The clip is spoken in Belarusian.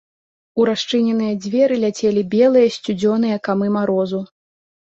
У расчыненыя дзверы ляцелі белыя сцюдзёныя камы марозу.